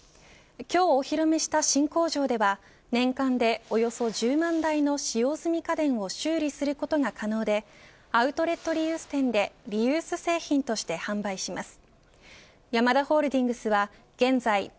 今日お披露目した新工場では年間でおよそ１０万台の使用済み家電を修理することが可能でアウトレット・リユース店でリユース製品として販売します。